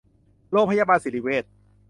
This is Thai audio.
โรงพยาบาลสิริเวช